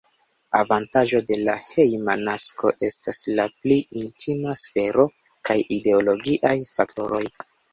Avantaĝo de la hejma nasko estas la pli intima sfero kaj ideologiaj faktoroj.